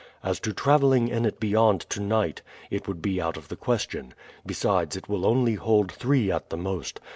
As to traveling in it beyond to night, it would be out of the question. Besides, it will only hold three at the most.